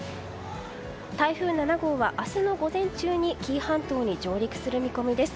台風７号は明日の午前中に紀伊半島に上陸する見込みです。